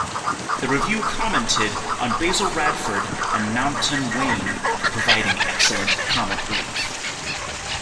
The review commented on Basil Radford and Naunton Wayne for "providing excellent comic relief".